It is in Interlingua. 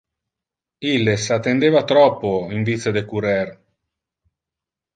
Illes attendeva troppo, in vice de currer.